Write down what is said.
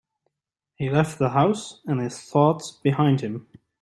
He left the house and his thoughts behind him.